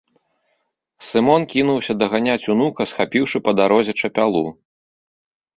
Сымон кінуўся даганяць унука, схапіўшы па дарозе чапялу.